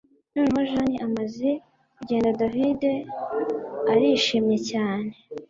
Noneho Jane amaze kugenda David arishimye cyane